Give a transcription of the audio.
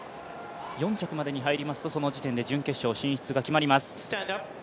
４着までに入りますと、その時点で準決勝進出が決まります。